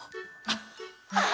ああ！